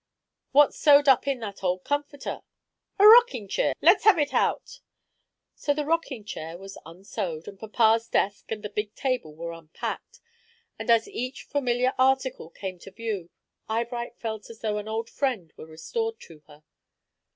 What's sewed up in that old comforter? A rocking cheer. Let's have it out!" So the rocking chair was unsewed, and papa's desk and the big table were unpacked; and as each familiar article came to view, Eyebright felt as though an old friend were restored to her.